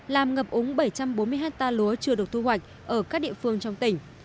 làm ngập úng bảy trăm bốn mươi hectare lúa chưa được thu hoạch ở các địa phương trong tỉnh